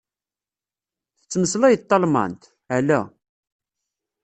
Tettmeslayeḍ talmant? Ala.